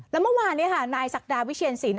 แล้วเมื่อวานนี้ค่ะนายศักดาวิเชียรสิน